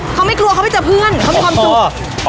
เขาไม่กลัวเขาไปเจอเพื่อนเขามีความสุข